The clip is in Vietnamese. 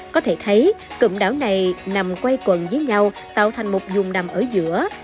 có thể thấy cụm đảo này nằm quay quần với nhau tạo thành một dùng nằm ở giữa